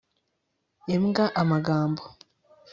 imbwa amagambo